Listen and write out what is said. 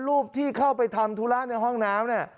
รูปที่เข้าไปทำธุระในห้องน้ำเนี่ย